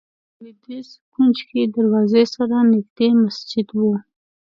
د شمال لوېدیځ کونج کې دروازې سره نږدې مسجد و.